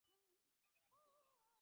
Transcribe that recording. এবার আপনার পালা।